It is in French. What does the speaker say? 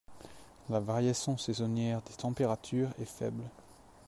La variation saisonnière des températures est faible.